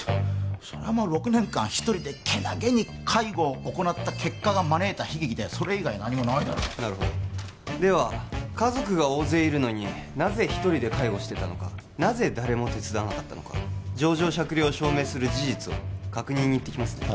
そりゃまあ６年間一人でけなげに介護を行った結果が招いた悲劇だそれ以外何もないだろうなるほどでは家族が大勢いるのになぜ一人で介護してたのかなぜ誰も手伝わなかったのか情状酌量を証明する事実を確認に行ってきますね